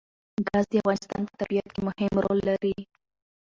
ګاز د افغانستان په طبیعت کې مهم رول لري.